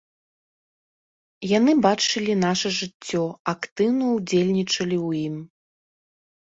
Яны бачылі наша жыццё, актыўна ўдзельнічалі ў ім.